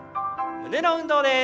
胸の運動です。